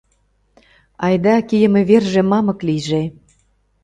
Айда, кийыме верже мамык лийже!